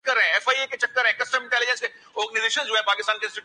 note book کے بعد ان سے بھی مختصر کمپیوٹرز پام ٹوپ کے نام سے متعارف ہوئے